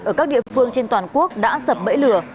ở các địa phương trên toàn quốc đã sập bẫy lừa